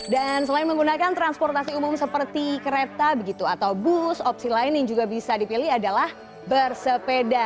dan selain menggunakan transportasi umum seperti kereta begitu atau bus opsi lain yang juga bisa dipilih adalah bersepeda